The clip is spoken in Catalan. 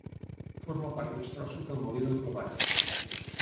Forma part dels Trossos del Molí del Plomall.